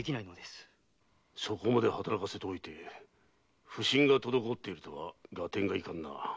そこまで働かせておいて普請が滞っているとは合点がいかぬな。